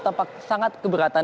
tampak sangat keberatan